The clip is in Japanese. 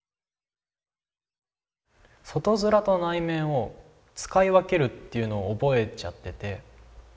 外面と内面を使い分けるっていうのを覚えちゃってて。